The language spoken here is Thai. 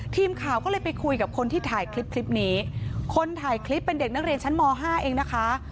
ทีมข่าวก็เลยไปคุยกับคนที่ถ่ายคลิปคลิปนี้คนถ่ายคลิปเป็นเด็กนักเรียนชั้นม๕เองนะคะ